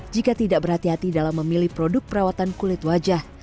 jika tidak berhati hati dalam memilih produk perawatan kulit wajah